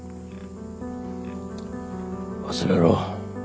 忘れろ。